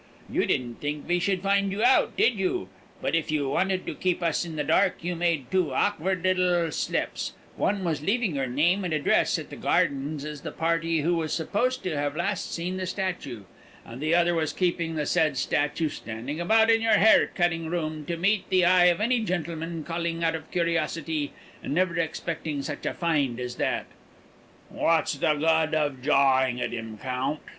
You didn't think we should find you out, did you? But if you wanted to keep us in the dark, you made two awkward little slips: one was leaving your name and address at the gardens as the party who was supposed to have last seen the statue, and the other was keeping the said statue standing about in your hair cutting room, to meet the eye of any gentleman calling out of curiosity, and never expecting such a find as that." "What's the good of jawing at him, Count?